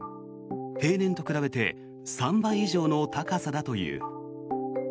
平年と比べて３倍以上の高さだという。